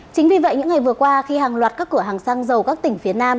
chính vì vậy những ngày vừa qua khi hàng loạt các cửa hàng xăng dầu các tỉnh phía nam